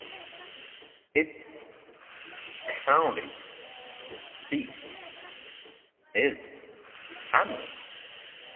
Its county seat is Hamlin.